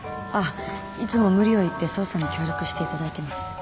あっいつも無理を言って捜査に協力していただいてます